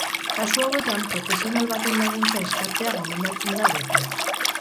Kasu hauetan profesional baten laguntza eskatzea gomendatzen da beti.